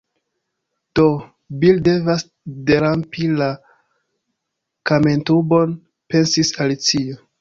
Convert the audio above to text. “Do, Bil devas derampi la kamentubon,” pensis Alicio.